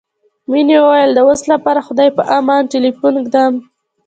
مينې وويل د اوس لپاره خدای په امان ټليفون ږدم.